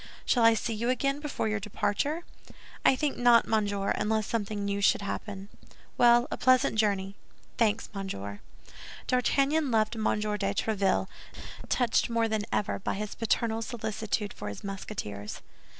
"Shall I see you again before your departure?" "I think not, monsieur, unless something new should happen." "Well, a pleasant journey." "Thanks, monsieur." D'Artagnan left M. de Tréville, touched more than ever by his paternal solicitude for his Musketeers.